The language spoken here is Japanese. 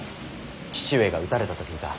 父上が討たれたと聞いた。